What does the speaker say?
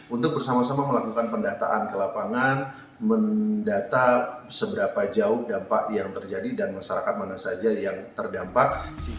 untuk bersama sama melakukan pendataan ke lapangan mendata seberapa jauh dampak yang terjadi dan masyarakat mana saja yang terdampak